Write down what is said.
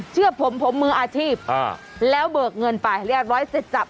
เชื่อผมผมมืออาชีพแล้วเบิกเงินไปเรียบร้อยเสร็จจับ